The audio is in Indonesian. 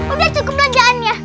udah cukup belanjaan ya